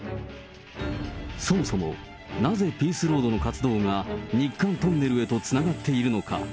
そもそもなぜピースロードの活動が、日韓トンネルへとつながっているのか。